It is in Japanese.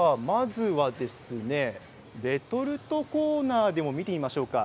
まずはレトルトコーナーでも見てみましょうか。